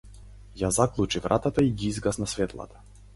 Ја заклучи вратата и ги изгасна светлата.